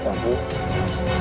tidak mungkin rai prabu